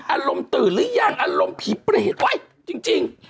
อารมณ์ตื่นหรือยังอารมณ์ผีเปรตเว้ยจริง